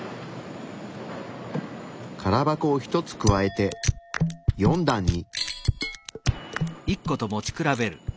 空箱を１つ加えて４段に。